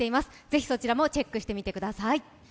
ぜひ、そちらもチェックしてみてください。